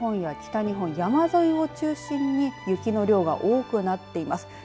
東日本や北日本、山沿いを中心に雪の量が多くなっています。